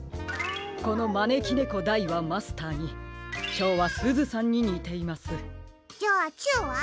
このまねきねこ・大はマスターに小はすずさんににています。じゃあ中は？